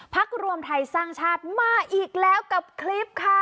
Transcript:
รวมไทยสร้างชาติมาอีกแล้วกับคลิปค่ะ